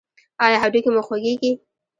ایا هډوکي مو خوږیږي؟